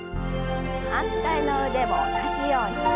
反対の腕も同じように。